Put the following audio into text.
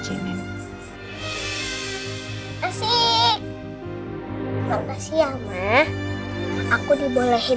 kasih makasih ya ma aku dibolehin